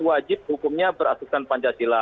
wajib hukumnya berasuskan pancasila